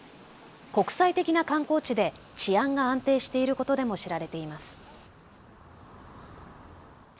国際的な観光地で治安が安定していることでも知られています。